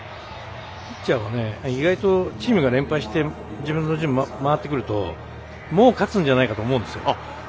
ピッチャーも意外とチームが連敗してきて自分の順が回ってくるともう勝つんじゃないかと思うんですよ。